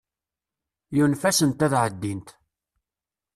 Yunef-asent ad ɛeddint.